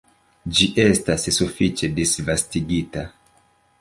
Ĝi estas sufiĉe disvastigita.